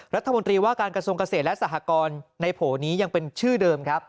รัฐมนตรีว่าการกระทรวงเกษตรและสหกรณ์ในโผล่นี้ยังเป็นชื่อเดิมครับ